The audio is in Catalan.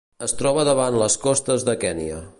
Es troba davant les costes de Kenya.